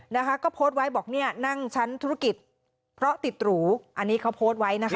นะคะก็โพสต์ไว้บอกเนี่ยนั่งชั้นธุรกิจเพราะติดหรูอันนี้เขาโพสต์ไว้นะคะ